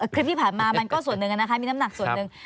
คือที่ผ่านมามันก็ส่วนหนึ่งนะคะมีน้ำหนักส่วนหนึ่ง